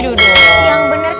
hei bukan itu mbak pinanggi